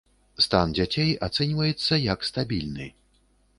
Стан дзяцей ацэньваецца як стабільны.